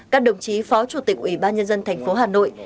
các đồng chí phó chủ tịch ủy ban nhân dân thành phố hà nội